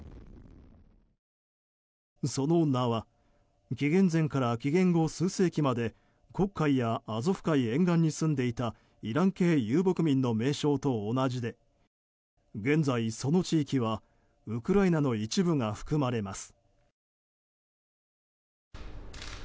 その名は、紀元前から紀元後数世紀まで黒海やアゾフ海沿岸に住んでいたイラン系遊牧民の名称と同じで現在、その地域はウクライナの一部が含まれます。